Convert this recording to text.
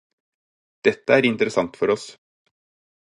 Dette er interessant for oss.